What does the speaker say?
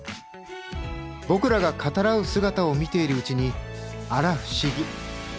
僕らが語らう姿を見ているうちにあら不思議。